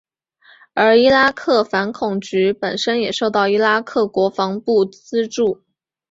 而伊拉克反恐局本身也受到伊拉克国防部资助。